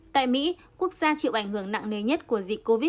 tại mỹ quốc gia chịu ảnh hưởng nặng nề nhất của dịch covid một mươi chín